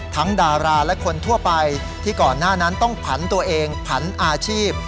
ดาราและคนทั่วไปที่ก่อนหน้านั้นต้องผันตัวเองผันอาชีพ